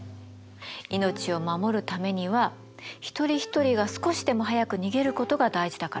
命を守るためには一人一人が少しでも早く逃げることが大事だからよ。